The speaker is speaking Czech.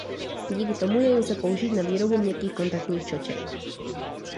Díky tomu jej lze použít na výrobu měkkých kontaktních čoček.